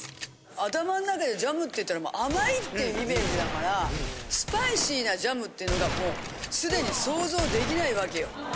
頭ん中でジャムって言ったら甘いってイメージだからスパイシーなジャムっていうのがもう既に想像できないわけよ。